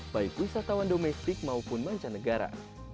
baik wisatawan domestik maupun mancanegara